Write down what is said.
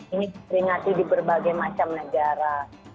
ini diperingati di berbagai macam negara